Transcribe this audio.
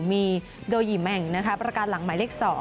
มีโดยหิแมงประการหลังหมายเลข๒